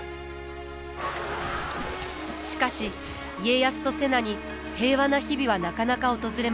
しかし家康と瀬名に平和な日々はなかなか訪れません。